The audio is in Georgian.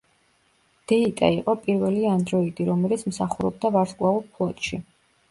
დეიტა იყო პირველი ანდროიდი რომელიც მსახურობდა ვარსკვლავურ ფლოტში.